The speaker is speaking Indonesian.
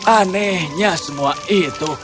anehnya semua itu